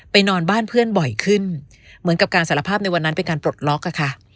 นอนบ้านเพื่อนบ่อยขึ้นเหมือนกับการสารภาพในวันนั้นเป็นการปลดล็อกอะค่ะ